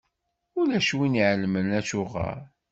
Ulac win i iɛelmen acuɣeṛ.